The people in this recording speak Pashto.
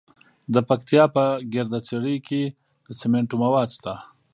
د پکتیا په ګرده څیړۍ کې د سمنټو مواد شته.